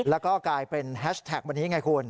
แล้วก็กลายเป็นแฮชแท็กวันนี้ไงคุณ